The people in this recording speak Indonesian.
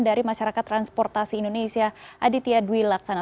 dari masyarakat transportasi indonesia aditya dwi laksana